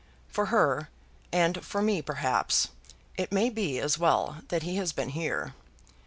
For her, and for me perhaps, it may be as well that he has been here.